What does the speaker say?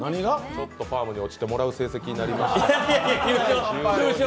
ちょっとファームに落ちてもらう成績になりました。